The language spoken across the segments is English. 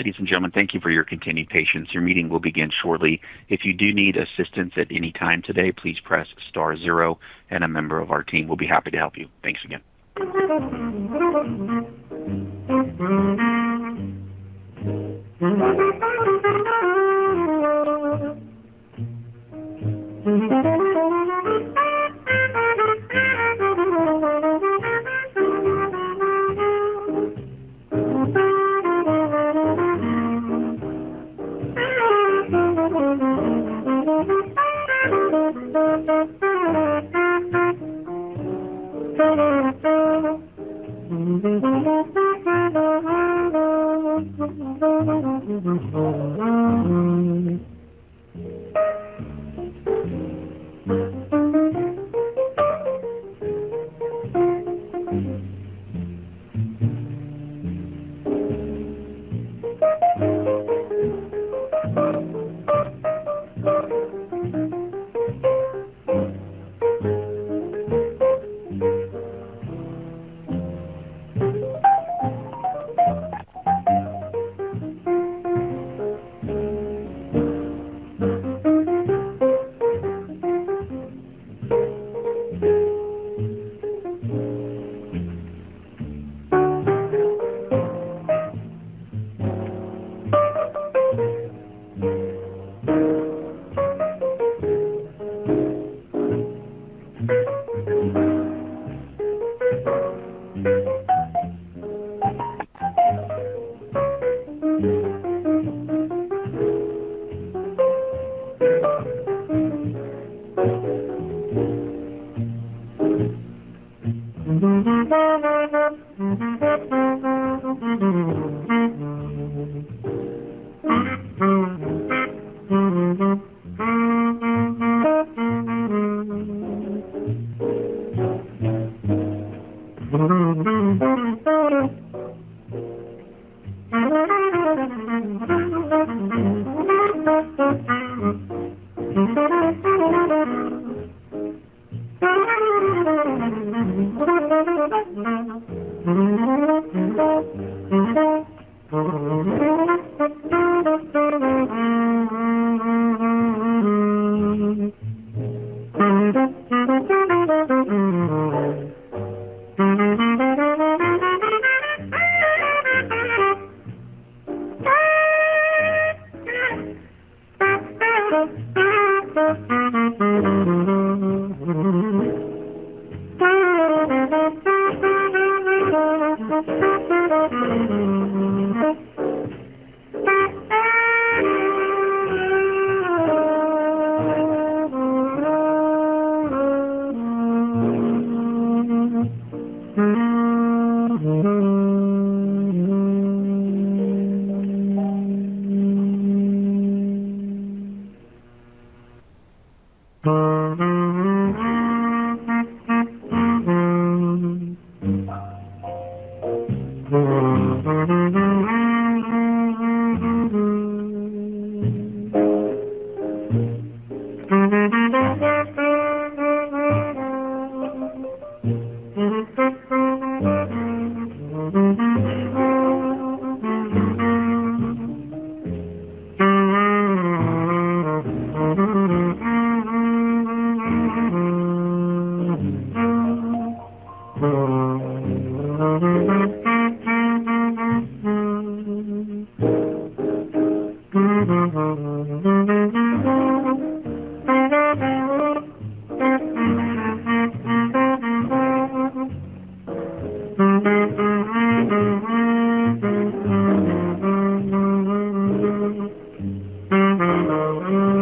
Ladies and gentlemen, thank you for your continued patience. Your meeting will begin shortly. If you do need assistance at any time today, please press star zero and a member of our team will be happy to help you. Thanks again. Please stand by.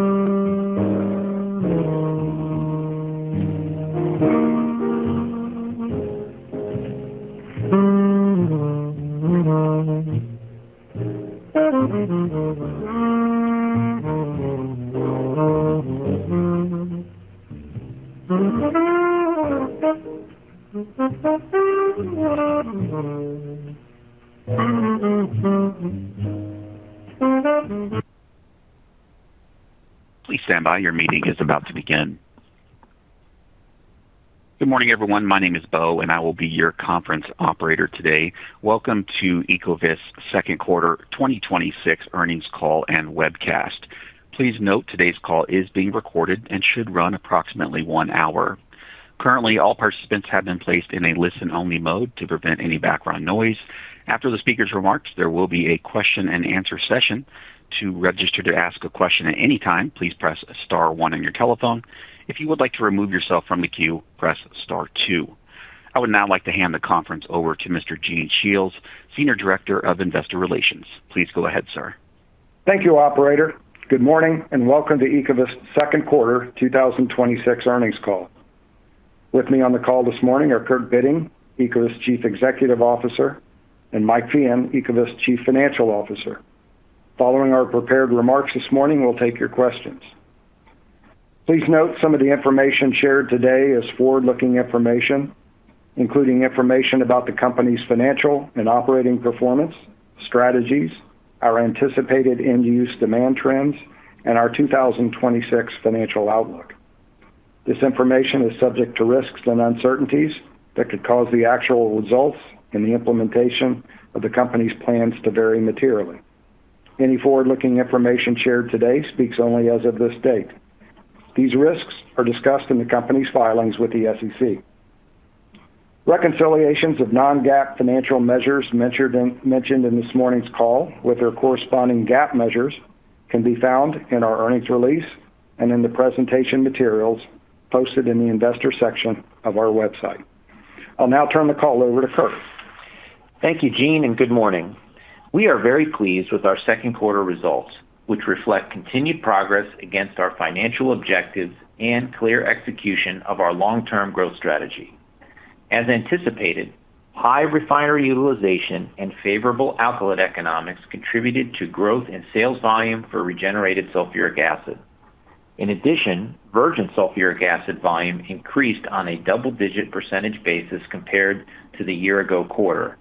Your meeting is about to begin. Good morning, everyone. My name is Beau, and I will be your conference operator today. Welcome to Ecovyst's second quarter 2026 earnings call and webcast. Please note today's call is being recorded and should run approximately one hour. Currently, all participants have been placed in a listen-only mode to prevent any background noise. After the speaker's remarks, there will be a question and answer session. To register to ask a question at any time, please press star one on your telephone. If you would like to remove yourself from the queue, press star two. I would now like to hand the conference over to Mr. Gene Shiels, Senior Director of Investor Relations. Please go ahead, sir. Thank you, operator. Good morning and welcome to Ecovyst's second quarter 2026 earnings call. With me on the call this morning are Kurt Bitting, Ecovyst Chief Executive Officer, and Mike Feehan, Ecovyst Chief Financial Officer. Following our prepared remarks this morning, we'll take your questions. Please note some of the information shared today is forward-looking information, including information about the company's financial and operating performance, strategies, our anticipated end-use demand trends, and our 2026 financial outlook. This information is subject to risks and uncertainties that could cause the actual results and the implementation of the company's plans to vary materially. Any forward-looking information shared today speaks only as of this date. These risks are discussed in the company's filings with the SEC. Reconciliations of non-GAAP financial measures mentioned in this morning's call with their corresponding GAAP measures can be found in our earnings release and in the presentation materials posted in the investor section of our website. I'll now turn the call over to Kurt. Thank you, Gene, and good morning. We are very pleased with our second quarter results, which reflect continued progress against our financial objectives and clear execution of our long-term growth strategy. As anticipated, high refinery utilization and favorable alkylate economics contributed to growth in sales volume for regenerated sulfuric acid. In addition, virgin sulfuric acid volume increased on a double-digit percentage basis compared to the year-ago quarter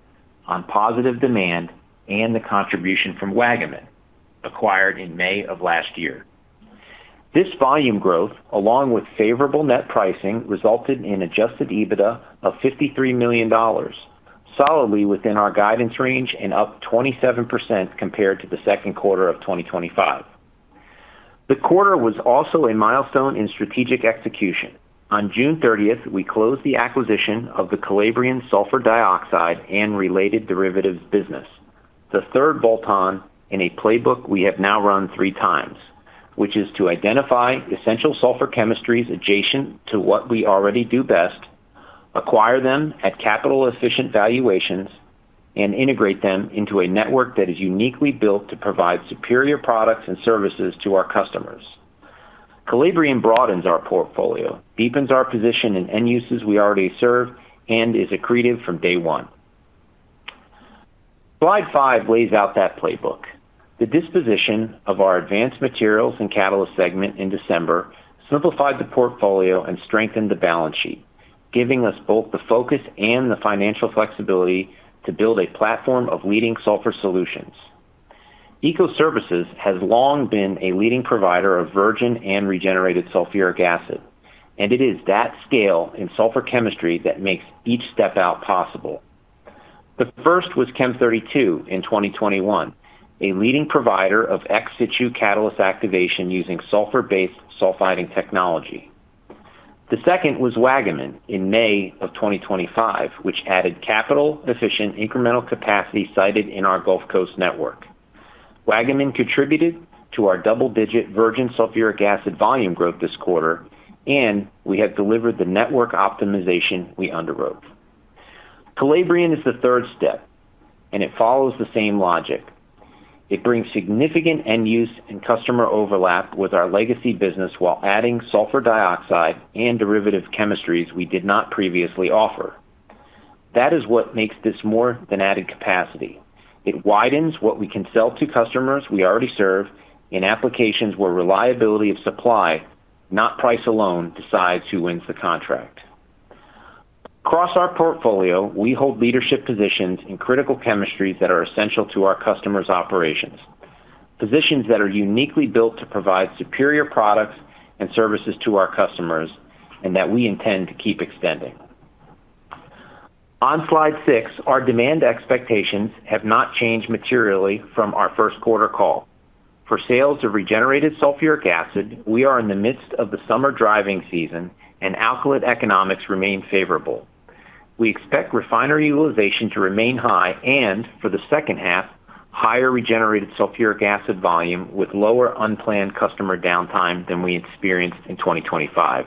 on positive demand and the contribution from Waggaman, acquired in May of last year. This volume growth, along with favorable net pricing, resulted in Adjusted EBITDA of $53 million, solidly within our guidance range and up 27% compared to the second quarter of 2025. The quarter was also a milestone in strategic execution. On June 30th, we closed the acquisition of the Calabrian sulfur dioxide and related derivatives business, the third bolt-on in a playbook we have now run three times, which is to identify essential sulfur chemistries adjacent to what we already do best, acquire them at capital-efficient valuations, and integrate them into a network that is uniquely built to provide superior products and services to our customers. Calabrian broadens our portfolio, deepens our position in end uses we already serve, and is accretive from day one. Slide five lays out that playbook. The disposition of our Advanced Materials & Catalysts segment in December simplified the portfolio and strengthened the balance sheet, giving us both the focus and the financial flexibility to build a platform of leading sulfur solutions. Ecoservices has long been a leading provider of virgin and regenerated sulfuric acid, and it is that scale in sulfur chemistry that makes each step-out possible. The first was Chem32 in 2021, a leading provider of ex situ catalyst activation using sulfur-based sulfiding technology. The second was Waggaman in May of 2025, which added capital-efficient incremental capacity sited in our Gulf Coast network. Waggaman contributed to our double-digit virgin sulfuric acid volume growth this quarter, and we have delivered the network optimization we underwrote. Calabrian is the third step, and it follows the same logic. It brings significant end use and customer overlap with our legacy business while adding sulfur dioxide and derivative chemistries we did not previously offer. That is what makes this more than added capacity. It widens what we can sell to customers we already serve in applications where reliability of supply, not price alone, decides who wins the contract. Across our portfolio, we hold leadership positions in critical chemistries that are essential to our customers' operations, positions that are uniquely built to provide superior products and services to our customers, and that we intend to keep extending. On slide six, our demand expectations have not changed materially from our first quarter call. For sales of regenerated sulfuric acid, we are in the midst of the summer driving season, and alkylate economics remain favorable. We expect refinery utilization to remain high and, for the second half, higher regenerated sulfuric acid volume with lower unplanned customer downtime than we experienced in 2025.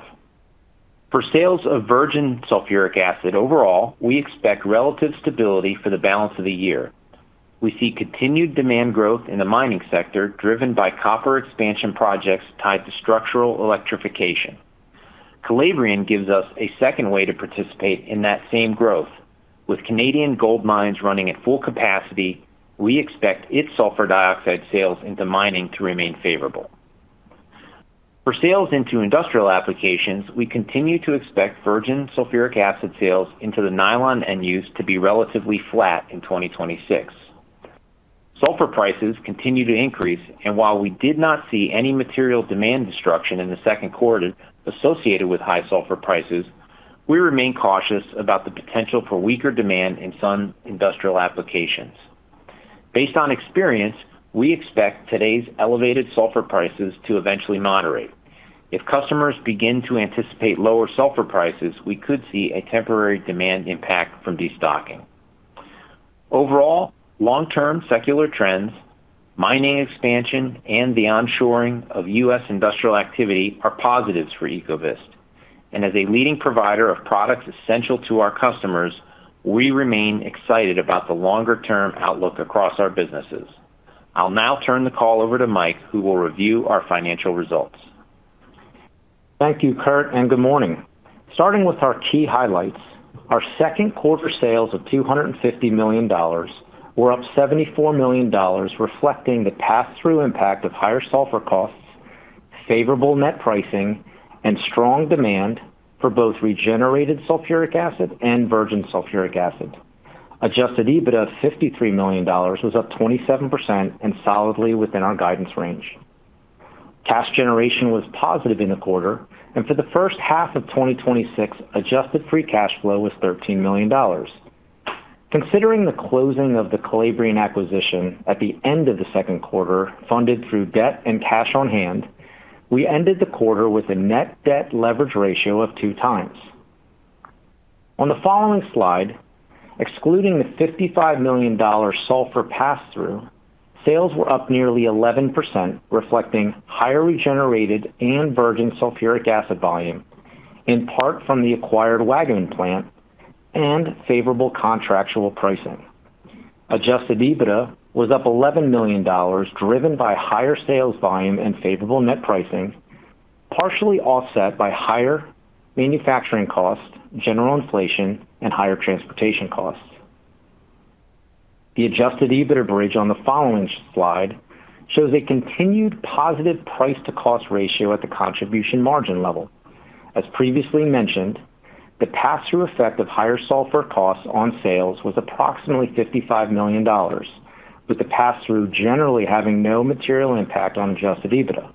For sales of virgin sulfuric acid overall, we expect relative stability for the balance of the year. We see continued demand growth in the mining sector driven by copper expansion projects tied to structural electrification. Calabrian gives us a second way to participate in that same growth. With Canadian gold mines running at full capacity, we expect its sulfur dioxide sales into mining to remain favorable. For sales into industrial applications, we continue to expect virgin sulfuric acid sales into the nylon end use to be relatively flat in 2026. Sulfur prices continue to increase, and while we did not see any material demand destruction in the second quarter associated with high sulfur prices, we remain cautious about the potential for weaker demand in some industrial applications. Based on experience, we expect today's elevated sulfur prices to eventually moderate. If customers begin to anticipate lower sulfur prices, we could see a temporary demand impact from destocking. Overall, long-term secular trends, mining expansion, and the onshoring of U.S. industrial activity are positives for Ecovyst. As a leading provider of products essential to our customers, we remain excited about the longer-term outlook across our businesses. I'll now turn the call over to Mike, who will review our financial results. Thank you, Kurt, and good morning. Starting with our key highlights, our second quarter sales of $250 million were up $74 million, reflecting the pass-through impact of higher sulfur costs, favorable net pricing, and strong demand for both regenerated sulfuric acid and virgin sulfuric acid. Adjusted EBITDA of $53 million was up 27% and solidly within our guidance range. Cash generation was positive in the quarter, and for the first half of 2026, Adjusted Free Cash Flow was $13 million. Considering the closing of the Calabrian acquisition at the end of the second quarter, funded through debt and cash on hand, we ended the quarter with a net debt leverage ratio of two times. On the following slide, excluding the $55 million sulfur pass-through, sales were up nearly 11%, reflecting higher regenerated and virgin sulfuric acid volume, in part from the acquired Waggaman plant, and favorable contractual pricing. Adjusted EBITDA was up $11 million, driven by higher sales volume and favorable net pricing, partially offset by higher manufacturing costs, general inflation, and higher transportation costs. The Adjusted EBITDA bridge on the following slide shows a continued positive price to cost ratio at the contribution margin level. As previously mentioned, the pass-through effect of higher sulfur costs on sales was approximately $55 million, with the pass-through generally having no material impact on Adjusted EBITDA.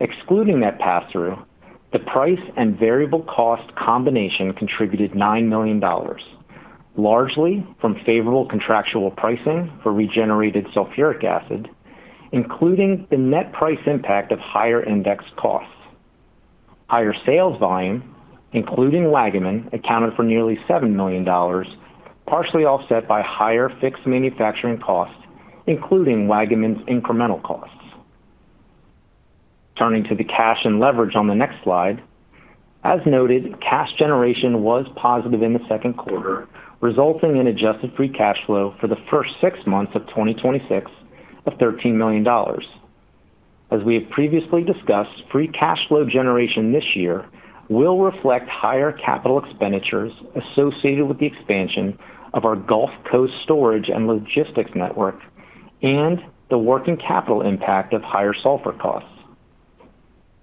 Excluding that pass-through, the price and variable cost combination contributed $9 million, largely from favorable contractual pricing for regenerated sulfuric acid, including the net price impact of higher index costs. Higher sales volume, including Waggaman, accounted for nearly $7 million, partially offset by higher fixed manufacturing costs, including Waggaman's incremental costs. Turning to the cash and leverage on the next slide. As noted, cash generation was positive in the second quarter, resulting in Adjusted Free Cash Flow for the first six months of 2026 of $13 million. As we have previously discussed, free cash flow generation this year will reflect higher capital expenditures associated with the expansion of our Gulf Coast storage and logistics network, and the working capital impact of higher sulfur costs.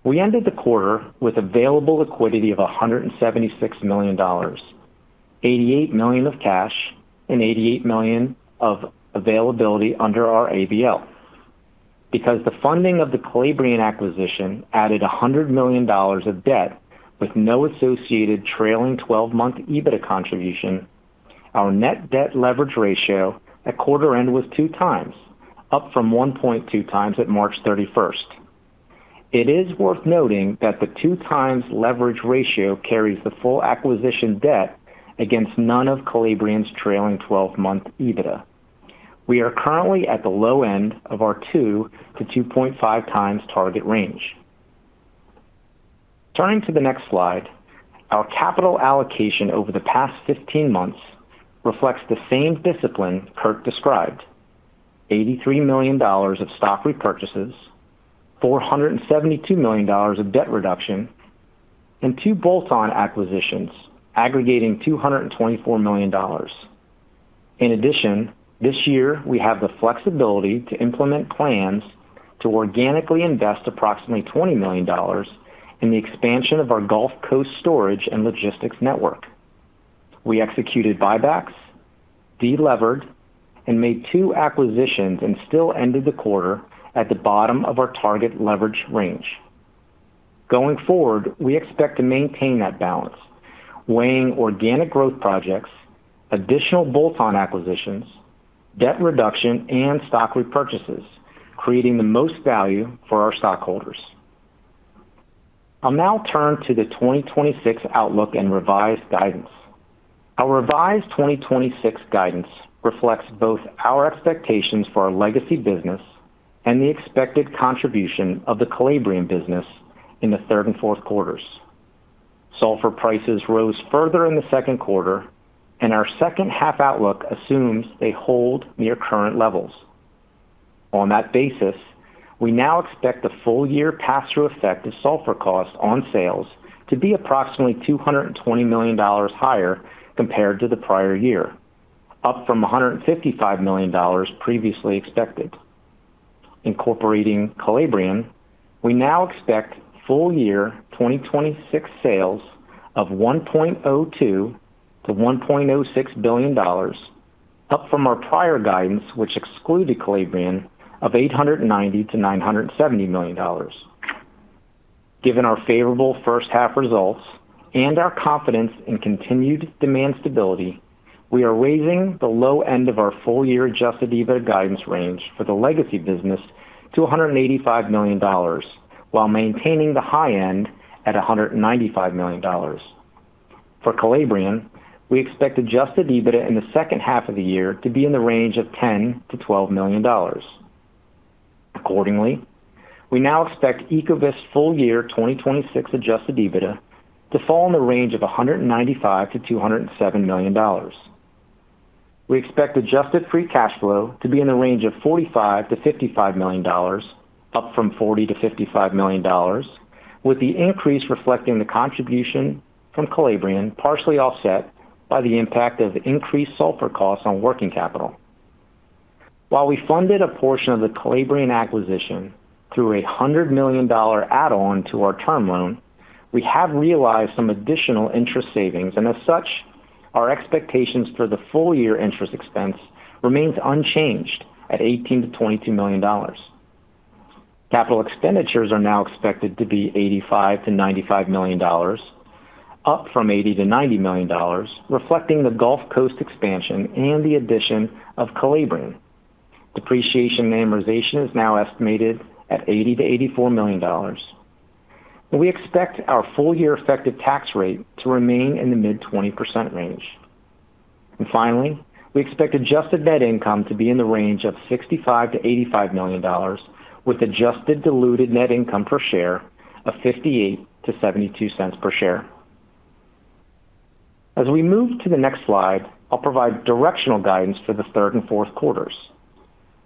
We ended the quarter with available liquidity of $176 million, $88 million of cash, and $88 million of availability under our ABL. Because the funding of the Calabrian acquisition added $100 million of debt with no associated trailing 12-month EBITDA contribution, our net debt leverage ratio at quarter end was two times, up from 1.2 times at March 31st. It is worth noting that the two times leverage ratio carries the full acquisition debt against none of Calabrian's trailing 12-month EBITDA. We are currently at the low end of our two to 2.5 times target range. Turning to the next slide, our capital allocation over the past 15 months reflects the same discipline Kurt described: $83 million of stock repurchases, $472 million of debt reduction, and two bolt-on acquisitions aggregating $224 million. In addition, this year, we have the flexibility to implement plans to organically invest approximately $20 million in the expansion of our Gulf Coast storage and logistics network. We executed buybacks, de-levered, and made two acquisitions, and still ended the quarter at the bottom of our target leverage range. Going forward, we expect to maintain that balance, weighing organic growth projects, additional bolt-on acquisitions, debt reduction, and stock repurchases, creating the most value for our stockholders. I'll now turn to the 2026 outlook and revised guidance. Our revised 2026 guidance reflects both our expectations for our legacy business and the expected contribution of the Calabrian business in the third and fourth quarters. Sulfur prices rose further in the second quarter, our second half outlook assumes they hold near current levels. On that basis, we now expect the full year pass-through effect of sulfur cost on sales to be approximately $220 million higher compared to the prior year, up from $155 million previously expected. Incorporating Calabrian, we now expect full year 2026 sales of $1.02-$1.06 billion, up from our prior guidance, which excluded Calabrian, of $890-#970 million. Given our favorable first half results and our confidence in continued demand stability, we are raising the low end of our full year Adjusted EBITDA guidance range for the legacy business to $185 million while maintaining the high end at $195 million. For Calabrian, we expect Adjusted EBITDA in the second half of the year to be in the range of $10-$12 million. Accordingly, we now expect Ecovyst full year 2026 Adjusted EBITDA to fall in the range of $195-$207 million. We expect Adjusted Free Cash Flow to be in the range of $45-$55 million, up from $40-$55 million, with the increase reflecting the contribution from Calabrian, partially offset by the impact of increased sulfur costs on working capital. While we funded a portion of the Calabrian acquisition through a $100 million add-on to our term loan, we have realized some additional interest savings, and as such, our expectations for the full-year interest expense remains unchanged at $18-$22 million. Capital expenditures are now expected to be $85 million-$95 million, up from $80 million-$90 million, reflecting the Gulf Coast expansion and the addition of Calabrian. Depreciation and amortization is now estimated at $80 million-$84 million. We expect our full-year effective tax rate to remain in the mid-20% range. Finally, we expect adjusted net income to be in the range of $65 million-$85 million, with Adjusted Diluted Net Income Per Share of $0.58-$0.72 per share. As we move to the next slide, I will provide directional guidance for the third and fourth quarters.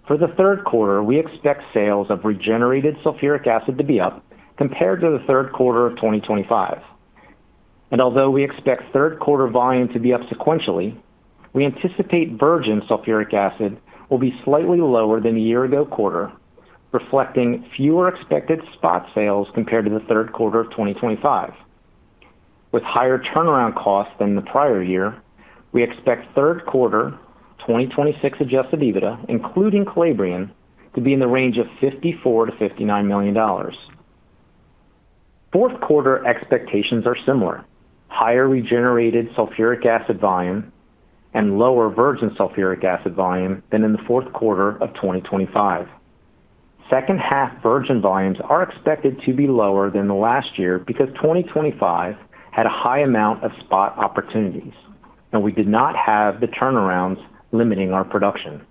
For the third quarter, we expect sales of regenerated sulfuric acid to be up compared to the third quarter of 2025. Although we expect third quarter volume to be up sequentially, we anticipate virgin sulfuric acid will be slightly lower than the year-ago quarter, reflecting fewer expected spot sales compared to the third quarter of 2025. With higher turnaround costs than the prior year, we expect third quarter 2026 Adjusted EBITDA, including Calabrian, to be in the range of $54 million-$59 million. Fourth quarter expectations are similar, higher regenerated sulfuric acid volume and lower virgin sulfuric acid volume than in the fourth quarter of 2025. Second half virgin volumes are expected to be lower than last year because 2025 had a high amount of spot opportunities, and we did not have the turnarounds limiting our production.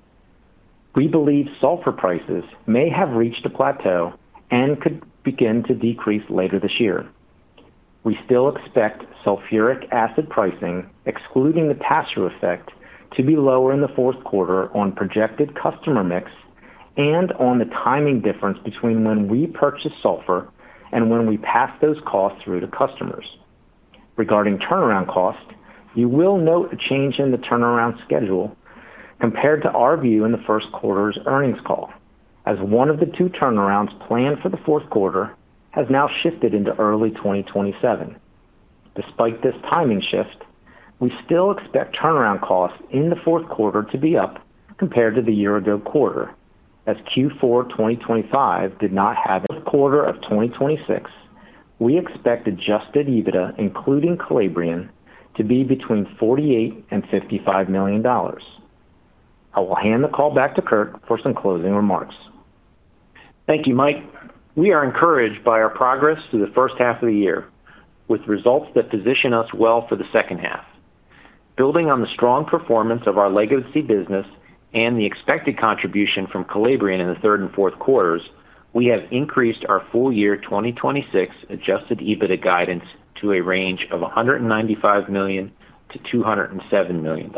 We believe sulfur prices may have reached a plateau and could begin to decrease later this year. We still expect sulfuric acid pricing, excluding the pass-through effect, to be lower in the fourth quarter on projected customer mix and on the timing difference between when we purchase sulfur and when we pass those costs through to customers. Regarding turnaround costs, you will note a change in the turnaround schedule compared to our view in the first quarter's earnings call, as one of the two turnarounds planned for the fourth quarter has now shifted into early 2027. Despite this timing shift, we still expect turnaround costs in the fourth quarter to be up compared to the year-ago quarter, as Q4 2025 did not have a quarter of 2026. We expect Adjusted EBITDA, including Calabrian, to be between $48 million-$55 million. I will hand the call back to Kurt for some closing remarks. Thank you, Mike. We are encouraged by our progress through the first half of the year, with results that position us well for the second half. Building on the strong performance of our legacy business and the expected contribution from Calabrian in the third and fourth quarters, we have increased our full-year 2026 Adjusted EBITDA guidance to a range of $195 million-$207 million.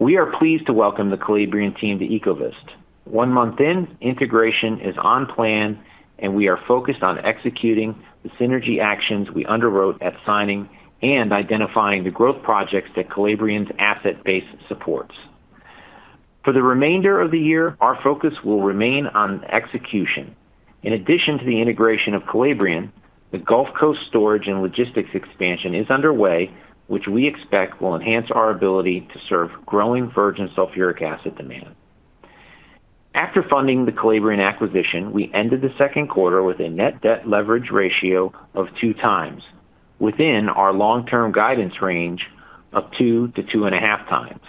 We are pleased to welcome the Calabrian team to Ecovyst. One month in, integration is on plan, and we are focused on executing the synergy actions we underwrote at signing and identifying the growth projects that Calabrian's asset base supports. For the remainder of the year, our focus will remain on execution. In addition to the integration of Calabrian, the Gulf Coast storage and logistics expansion is underway, which we expect will enhance our ability to serve growing virgin sulfuric acid demand. After funding the Calabrian acquisition, we ended the second quarter with a net debt leverage ratio of two times, within our long-term guidance range of two to two and a half times.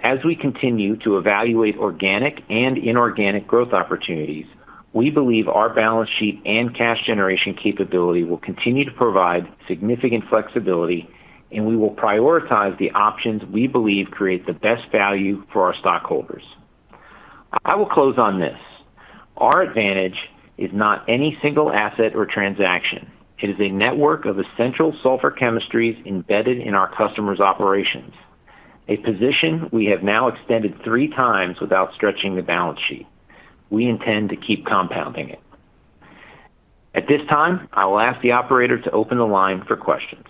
As we continue to evaluate organic and inorganic growth opportunities, we believe our balance sheet and cash generation capability will continue to provide significant flexibility, and we will prioritize the options we believe create the best value for our stockholders. I will close on this. Our advantage is not any single asset or transaction. It is a network of essential sulfur chemistries embedded in our customers' operations, a position we have now extended three times without stretching the balance sheet. We intend to keep compounding it. At this time, I will ask the operator to open the line for questions.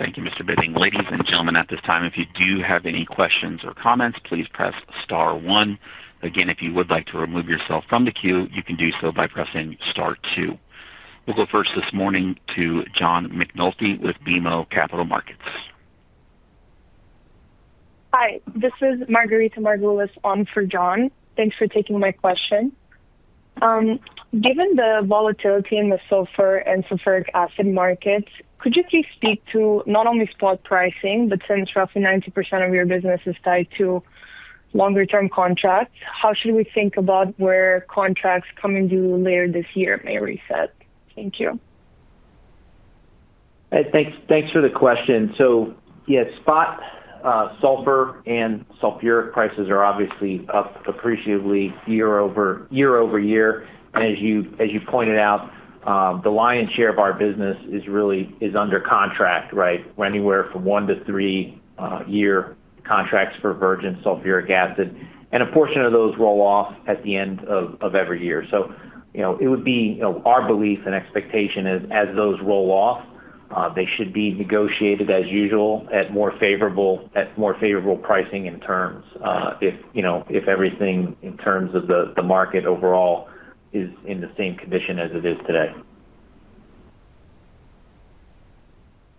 Thank you, Mr. Bitting. Ladies and gentlemen, at this time, if you do have any questions or comments, please press star one. Again, if you would like to remove yourself from the queue, you can do so by pressing star two. We will go first this morning to John McNulty with BMO Capital Markets. Hi, this is Margarita Margulis on for John. Thanks for taking my question. Given the volatility in the sulfur and sulfuric acid markets, could you please speak to not only spot pricing, but since roughly 90% of your business is tied to longer-term contracts, how should we think about where contracts coming due later this year may reset? Thank you. Hey, thanks for the question. Yeah, spot sulfur and sulfuric prices are obviously up appreciatively year-over-year. As you pointed out, the lion's share of our business is under contract, right? We are anywhere from one to three year contracts for virgin sulfuric acid, and a portion of those roll off at the end of every year. It would be our belief and expectation as those roll off They should be negotiated as usual at more favorable pricing and terms, if everything in terms of the market overall is in the same condition as it is today.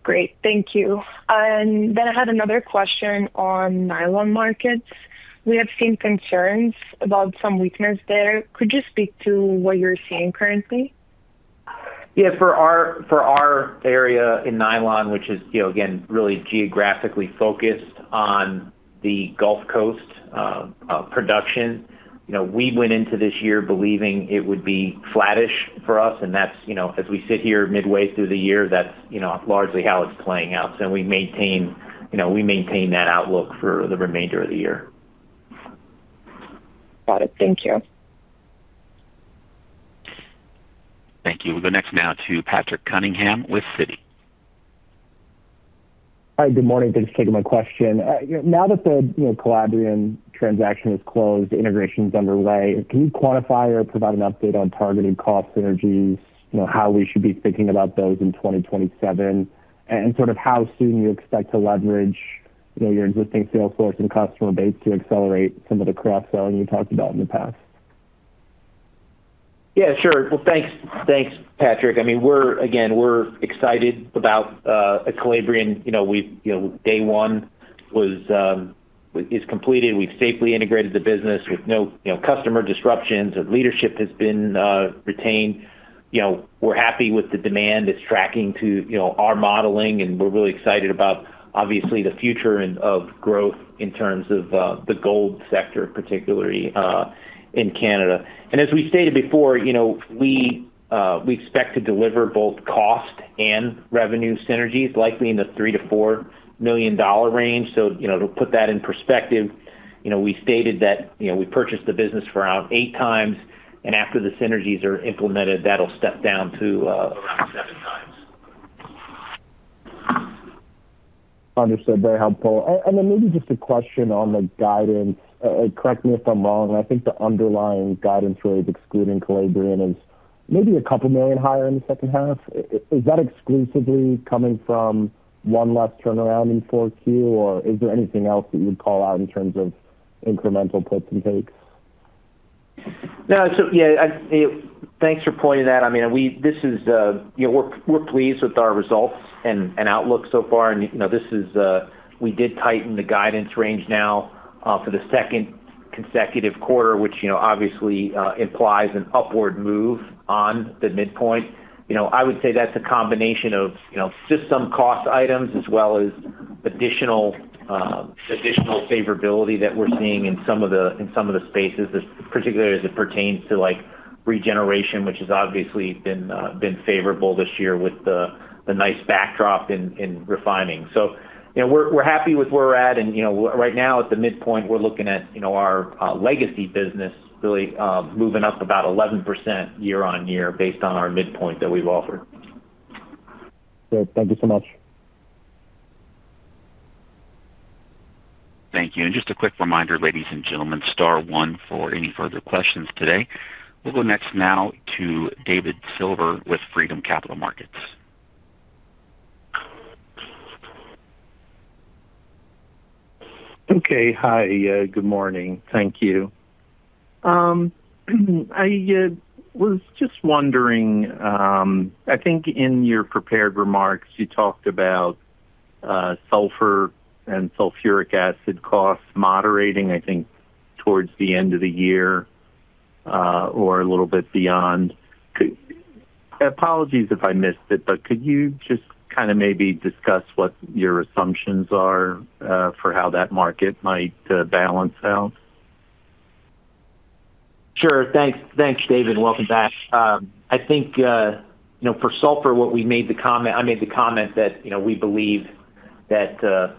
Great. Thank you. I had another question on nylon markets. We have seen concerns about some weakness there. Could you speak to what you're seeing currently? Yeah. For our area in nylon, which is, again, really geographically focused on the Gulf Coast production, we went into this year believing it would be flattish for us, as we sit here midway through the year, that's largely how it's playing out. We maintain that outlook for the remainder of the year. Got it. Thank you. Thank you. We'll go next now to Patrick Cunningham with Citi. Hi. Good morning. Thanks for taking my question. Now that the Calabrian transaction is closed, integration's underway, can you quantify or provide an update on targeted cost synergies, how we should be thinking about those in 2027, and sort of how soon you expect to leverage your existing sales force and customer base to accelerate some of the cross-selling you talked about in the past? Yeah, sure. Well, thanks, Patrick. Again, we're excited about Calabrian. Day one is completed. We've safely integrated the business with no customer disruptions. Leadership has been retained. We're happy with the demand. It's tracking to our modeling, and we're really excited about, obviously, the future of growth in terms of the gold sector, particularly in Canada. As we stated before, we expect to deliver both cost and revenue synergies, likely in the $3 million-$4 million range. To put that in perspective, we stated that we purchased the business for around eight times, and after the synergies are implemented, that'll step down to around seven times. Understood. Very helpful. Maybe just a question on the guidance. Correct me if I'm wrong. I think the underlying guidance really excluding Calabrian is maybe a couple of million higher in the second half. Is that exclusively coming from one less turnaround in 4Q, or is there anything else that you would call out in terms of incremental puts and takes? Yeah. Thanks for pointing that out. We're pleased with our results and outlook so far, and we did tighten the guidance range now for the second consecutive quarter, which obviously implies an upward move on the midpoint. I would say that's a combination of system cost items as well as additional favorability that we're seeing in some of the spaces, particularly as it pertains to regeneration, which has obviously been favorable this year with the nice backdrop in refining. We're happy with where we're at, and right now at the midpoint, we're looking at our legacy business really moving up about 11% year-on-year based on our midpoint that we've offered. Great. Thank you so much. Thank you. Just a quick reminder, ladies and gentlemen, star one for any further questions today. We'll go next now to David Silver with Freedom Capital Markets. Okay. Hi, good morning. Thank you. I was just wondering, I think in your prepared remarks, you talked about sulfur and sulfuric acid costs moderating, I think towards the end of the year, or a little bit beyond. Apologies if I missed it, but could you just kind of maybe discuss what your assumptions are for how that market might balance out? Sure. Thanks, David, welcome back. I think for sulfur, I made the comment that we believe that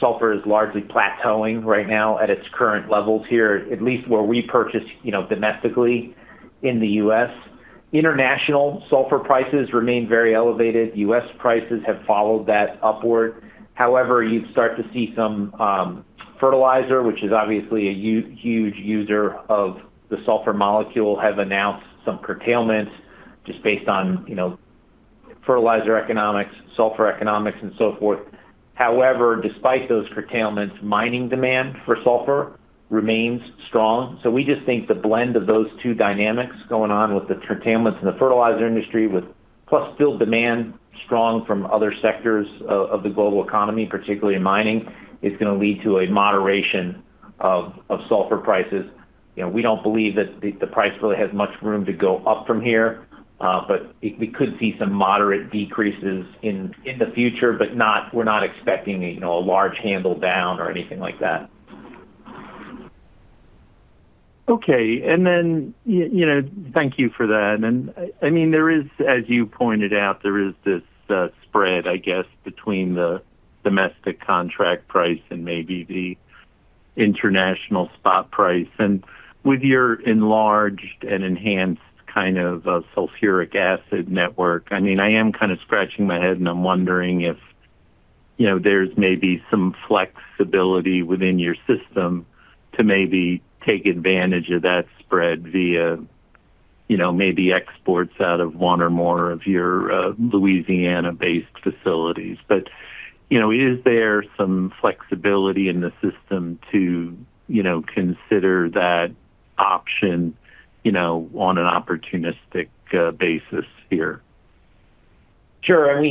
sulfur is largely plateauing right now at its current levels here, at least where we purchase domestically in the U.S. International sulfur prices remain very elevated. U.S. prices have followed that upward. You start to see some fertilizer, which is obviously a huge user of the sulfur molecule, have announced some curtailments just based on fertilizer economics, sulfur economics, and so forth. Despite those curtailments, mining demand for sulfur remains strong. We just think the blend of those two dynamics going on with the curtailments in the fertilizer industry, plus still demand strong from other sectors of the global economy, particularly in mining, is going to lead to a moderation of sulfur prices. We don't believe that the price really has much room to go up from here. We could see some moderate decreases in the future, but we're not expecting a large handle down or anything like that. Okay. Thank you for that. There is, as you pointed out, there is this spread, I guess, between the domestic contract price and maybe the international spot price. With your enlarged and enhanced kind of sulfuric acid network, I am kind of scratching my head, and I'm wondering if there's maybe some flexibility within your system to maybe take advantage of that spread via maybe exports out of one or more of your Louisiana-based facilities. Is there some flexibility in the system to consider that option on an opportunistic basis here? Sure. We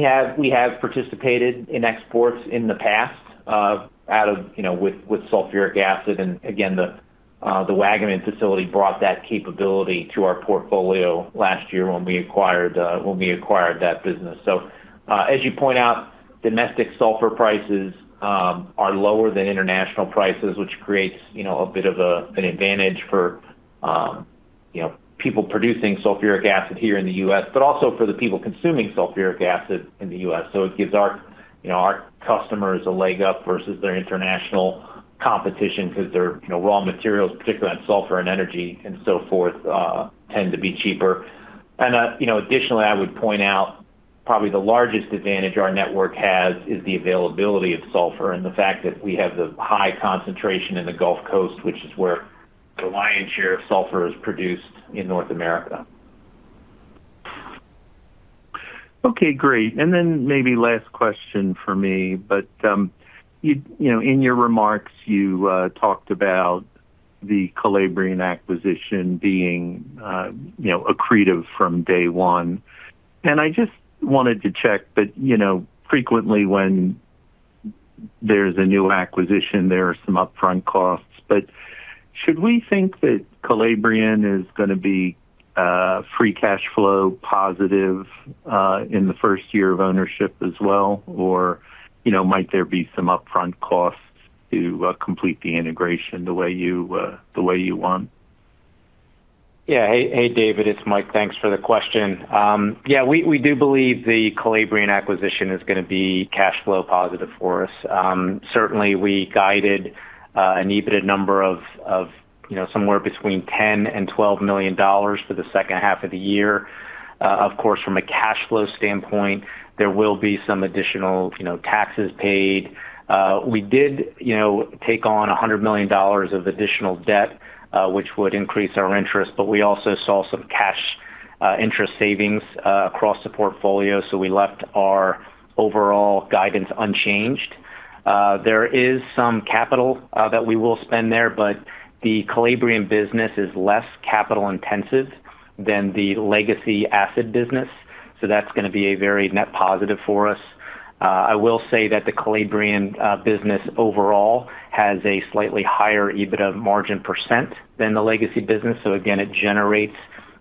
have participated in exports in the past with sulfuric acid. Again, the Waggaman facility brought that capability to our portfolio last year when we acquired that business. As you point out, domestic sulfur prices are lower than international prices, which creates a bit of an advantage for people producing sulfuric acid here in the U.S., but also for the people consuming sulfuric acid in the U.S. It gives our customers a leg up versus their international competition because their raw materials, particularly on sulfur and energy and so forth, tend to be cheaper. Additionally, I would point out probably the largest advantage our network has is the availability of sulfur and the fact that we have the high concentration in the Gulf Coast, which is where the lion's share of sulfur is produced in North America. Okay, great. Maybe last question from me. In your remarks, you talked about the Calabrian acquisition being accretive from day one. I just wanted to check, frequently when there's a new acquisition, there are some upfront costs. Should we think that Calabrian is going to be free cash flow positive in the first year of ownership as well, or might there be some upfront costs to complete the integration the way you want? Hey, David, it's Mike. Thanks for the question. We do believe the Calabrian acquisition is going to be cash flow positive for us. Certainly, we guided an EBITDA number of somewhere between $10 million and $12 million for the second half of the year. Of course, from a cash flow standpoint, there will be some additional taxes paid. We did take on $100 million of additional debt, which would increase our interest, but we also saw some cash interest savings across the portfolio, so we left our overall guidance unchanged. There is some capital that we will spend there, but the Calabrian business is less capital-intensive than the legacy acid business. That's going to be a very net positive for us. I will say that the Calabrian business overall has a slightly higher EBITDA margin percent than the legacy business. Again, it generates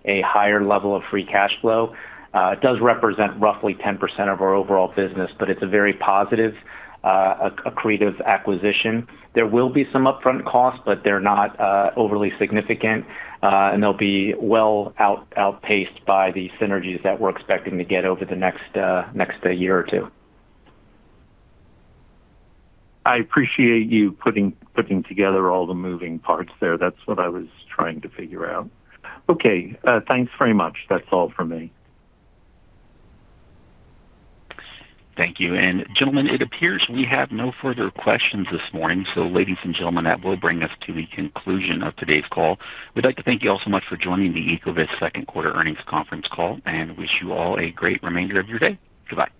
a higher level of free cash flow. It does represent roughly 10% of our overall business, but it's a very positive accretive acquisition. There will be some upfront costs, but they're not overly significant. They'll be well outpaced by the synergies that we're expecting to get over the next year or two. I appreciate you putting together all the moving parts there. That's what I was trying to figure out. Thanks very much. That's all from me. Thank you. Gentlemen, it appears we have no further questions this morning. Ladies and gentlemen, that will bring us to the conclusion of today's call. We'd like to thank you all so much for joining the Ecovyst second quarter earnings conference call, wish you all a great remainder of your day. Goodbye.